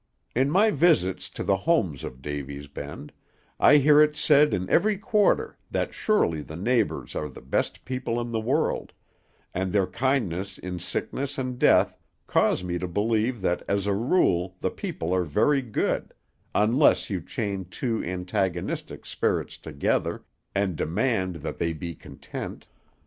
In my visits to the homes of Davy's Bend, I hear it said in every quarter that surely the neighbors are the best people in the world, and their kindness in sickness and death cause me to believe that as a rule the people are very good, unless you chain two antagonistic spirits together, and demand that they be content.